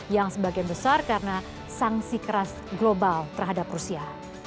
yang sebagian besar karena sanksi keras global terhadap rusia